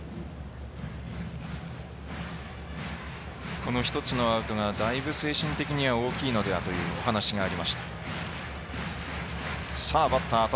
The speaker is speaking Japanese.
この１つのアウトがだいぶ精神的には大きいのではというお話がありました。